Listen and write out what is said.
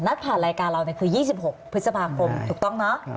ผ่านรายการเราคือ๒๖พฤษภาคมถูกต้องเนอะ